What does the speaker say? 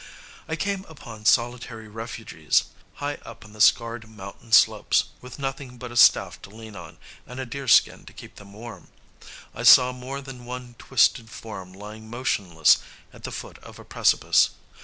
I came upon solitary refugees high up on the scarred mountain slopes, with nothing but a staff to lean upon and a deer skin to keep them warm. I saw more than one twisted form lying motionless at the foot of a precipice.